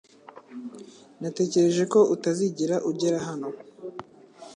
Natekereje ko utazigera ugera hano .